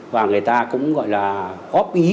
và người ta cũng gọi là góp ý